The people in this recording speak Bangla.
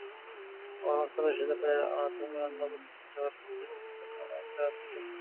কর্মস্থলে, বিশ্ববিদ্যালয়ে অথবা অন্য কোথাও যাওয়ার পথে বাসের জন্য লাইনে দাঁড়াতে হয়।